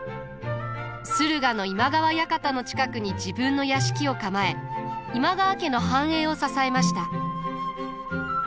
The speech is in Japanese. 駿河の今川館の近くに自分の屋敷を構え今川家の繁栄を支えました。